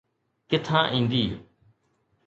ڪٿان ايندي؟